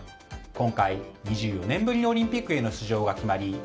今回、２４年ぶりにオリンピックへの出場が決まり